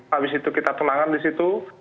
habis itu kita tenangkan di situ